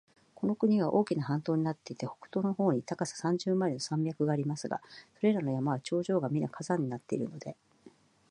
この国は大きな半島になっていて、北東の方に高さ三十マイルの山脈がありますが、それらの山は頂上がみな火山になっているので、